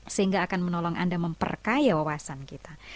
sehingga akan menolong anda memperkaya wawasan kita